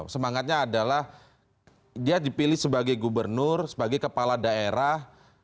semangatnya adalah dia dipilih sebagai gubernur sebagai kepala daerah